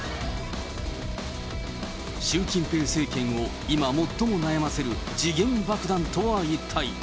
習近平政権を今最も悩ませる時限爆弾とは一体。